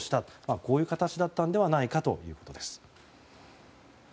こういう形だったのではないかということです。